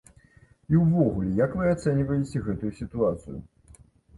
І ўвогуле як вы ацэньваеце гэтую сітуацыю?